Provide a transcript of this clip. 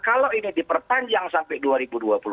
kalau ini diperpanjang sampai dua ribu dua puluh empat